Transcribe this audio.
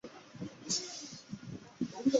散馆授编修。